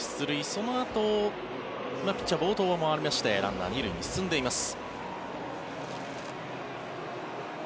そのあとピッチャー暴投もありましてランナー、２塁に進んでいます。